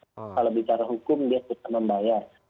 kalau bicara hukum dia bisa membayar